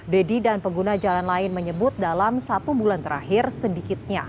deddy dan pengguna jalan lain menyebut dalam satu bulan terakhir sedikitnya